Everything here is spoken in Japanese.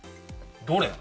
どれ？